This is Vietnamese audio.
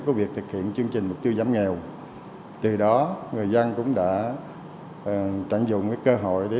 có việc thực hiện chương trình mục tiêu giảm nghèo từ đó người dân cũng đã tận dụng cơ hội để